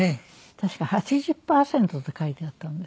確か「８０パーセント」って書いてあったんですよね。